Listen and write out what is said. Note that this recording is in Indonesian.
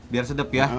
biar sedap ya